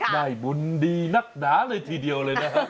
ได้บุญดีนักหนาเลยทีเดียวเลยนะฮะ